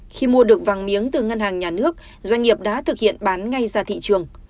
khi mua được vàng miếng từ ngân hàng nhà nước doanh nghiệp đã thực hiện bán ngay ra thị trường